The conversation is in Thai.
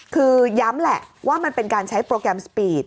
คือย้ำแหละว่ามันเป็นการใช้โปรแกรมสปีด